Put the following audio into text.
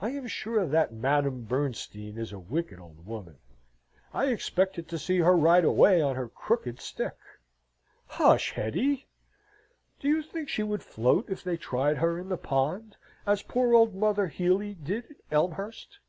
I am sure that Madame Bernstein is a wicked old woman. I expected to see her ride away on her crooked stick." "Hush, Hetty!" "Do you think she would float if they tried her in the pond, as poor old mother Hely did at Elmhurst?